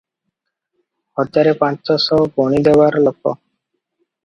ହଜାରେ ପାଞ୍ଚଶ ଗଣିଦେବାର ଲୋକ ।